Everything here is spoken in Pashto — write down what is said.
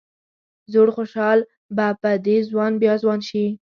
زوړ خوشال به په دې ځوان بیا ځوان شي.